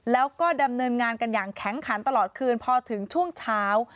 แล้วก็ดำเนินงานกันอย่างแข็งขันตลอดคืนพอถึงช่วงเช้า